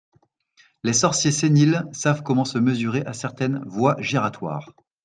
Les sorciers séniles savent comment se mesurer à certaines voies giratoires.